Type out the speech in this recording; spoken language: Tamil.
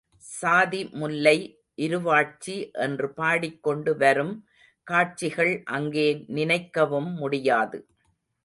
சாதிமுல்லை, இருவாட்சி என்று பாடிக் கொண்டு வரும் காட்சிகள் அங்கே நினைக்கவும் முடியாது.